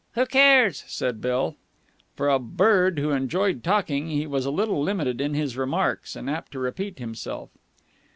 "Who cares?" said Bill. For a bird who enjoyed talking he was a little limited in his remarks and apt to repeat himself.